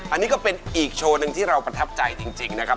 อันนี้ก็เป็นอีกโชว์หนึ่งที่เราประทับใจจริงนะครับ